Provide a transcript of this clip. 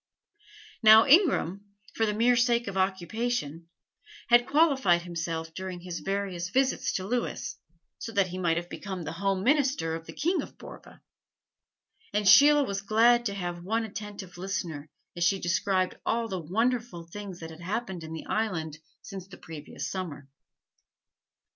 Now Ingram, for the mere sake of occupation, had qualified himself during his various visits to Lewis, so that he might have become the home minister of the King of Borva; and Sheila was glad to have one attentive listener as she described all the wonderful things that had happened in the island since the previous summer.